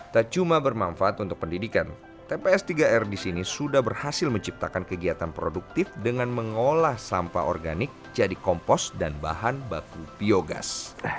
tak cuma bermanfaat untuk pendidikan tps tiga r di sini sudah berhasil menciptakan kegiatan produktif dengan mengolah sampah organik jadi kompos dan bahan baku biogas